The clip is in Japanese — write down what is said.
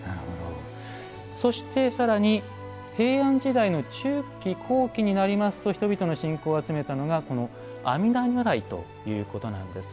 そして、さらに平安時代の中期後期になりますと人々の信仰を集めたのがこの阿弥陀如来ということなんです。